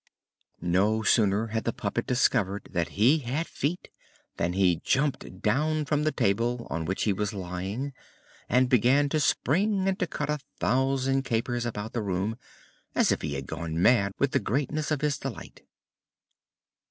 No sooner had the puppet discovered that he had feet than he jumped down from the table on which he was lying and began to spring and to cut a thousand capers about the room, as if he had gone mad with the greatness of his delight.